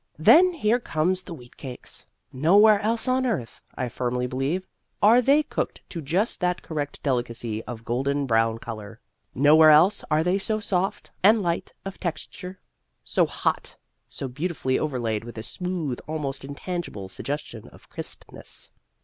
Then here come the wheatcakes. Nowhere else on earth, I firmly believe, are they cooked to just that correct delicacy of golden brown colour; nowhere else are they so soft and light of texture, so hot, so beautifully overlaid with a smooth, almost intangible suggestion of crispness.